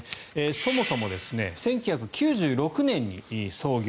そもそも１９９６年に創業。